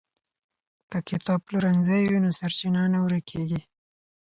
که کتابپلورنځی وي نو سرچینه نه ورکېږي.